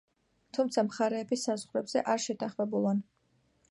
თუმცა მხარეები საზღვრებზე არ შეთანხმებულან.